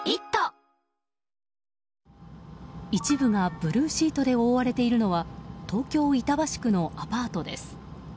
一部がブルーシートで覆われているのは東京・板橋区のアパートです。